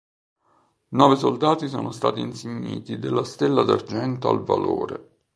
Nove soldati sono stati insigniti della Stella d'Argento al valore.